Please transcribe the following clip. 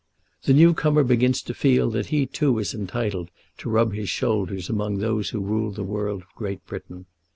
The new comer begins to feel that he too is entitled to rub his shoulders among those who rule the world of Great Britain.